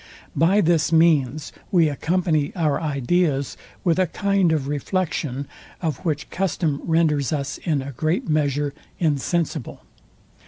By this means we accompany our ideas with a kind of reflection, of which custom renders us, in a great measure, insensible.